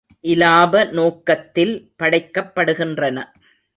இலாப நோக்கத்தில் படைக்கப்படுகின்றன.